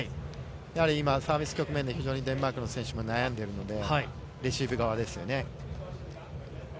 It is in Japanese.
やはり今サービス局面で、非常にデンマークの選手も悩んでいるので、レシーブ側ですよね。